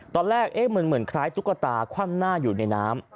ตอนแรกมันเหมือนคล้ายตุ๊กตาคว่ำหน้าอยู่ในน้ำ